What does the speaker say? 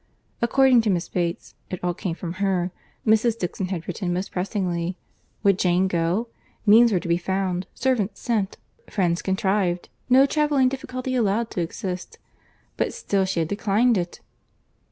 According to Miss Bates—it all came from her—Mrs. Dixon had written most pressingly. Would Jane but go, means were to be found, servants sent, friends contrived—no travelling difficulty allowed to exist; but still she had declined it!